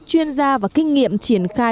chuyên gia và kinh nghiệm triển khai